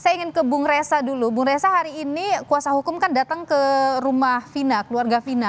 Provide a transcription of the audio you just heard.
saya ingin ke bung resa dulu bung resa hari ini kuasa hukum kan datang ke rumah vina keluarga vina